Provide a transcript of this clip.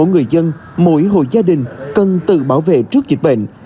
gia đình cần tự bảo vệ trước dịch bệnh